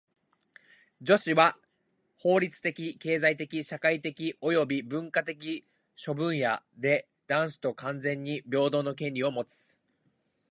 女子は法律的・経済的・社会的および文化的諸分野で男子と完全に平等の権利をもつ。